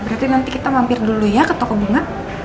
berarti nanti kita mampir dulu ya ke toko bunga